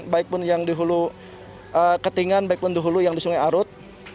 baikpun yang di hulu ketingan baikpun di hulu yang di sungai arut